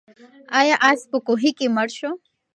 آیا آس په کوهي کې مړ شو؟